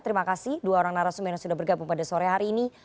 terima kasih dua orang narasumber yang sudah bergabung pada sore hari ini